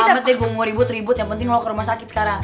udah amat nih gue mau ribut ribut yang penting lo ke rumah sakit sekarang